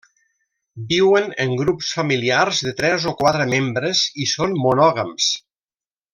Viuen en grups familiars de tres o quatre membres, i són monògams.